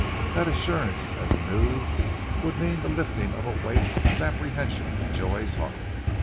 That assurance, as he knew, would mean the lifting of a weight of apprehension from Joy's heart.